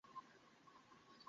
থেনা, আমি তোমায় ভালোবাসি।